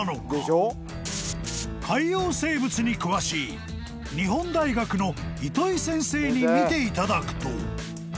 ［海洋生物に詳しい日本大学の糸井先生に見ていただくと］